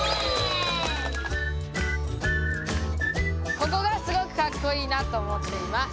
ここがすごくかっこいいなと思っています。